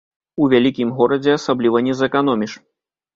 У вялікім горадзе асабліва не зэканоміш.